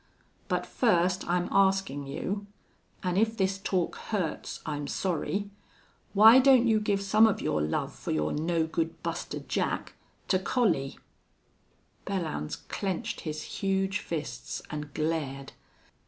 But, first, I'm askin' you an' if this talk hurts, I'm sorry why don't you give some of your love for your no good Buster Jack to Collie?" Belllounds clenched his huge fists and glared.